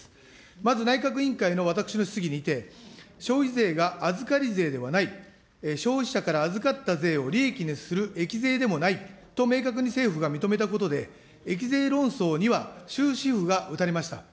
まず内閣委員会の私の質疑にて、消費税が預かり税ではない、消費者から預かった税を利益にする益税でもないと明確に政府が認めたことで、益税論争には終止符が打たれました。